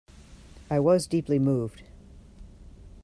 I was deeply moved.